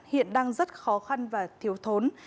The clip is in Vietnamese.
hiện đang rất khó khăn và thiếu thốn